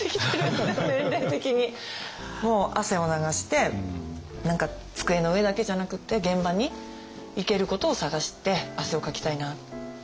もう汗を流して何か机の上だけじゃなくって現場に行けることを探して汗をかきたいなって思ってます。